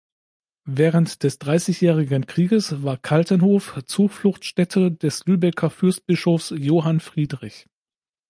Während des Dreißigjährigen Krieges war Kaltenhof Zufluchtsstätte des Lübecker Fürstbischofs Johann Friedrich.